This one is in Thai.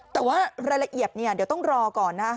แต่ว่ารายละเอียดเดี๋ยวต้องรอก่อนนะ